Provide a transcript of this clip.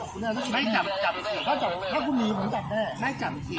ครับจับทีไม่จับไม่จำที